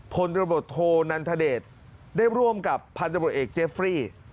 พลระบบโทนันทเดชน์ได้ร่วมกับพันธุ์ระบบเอกเจฟฟรี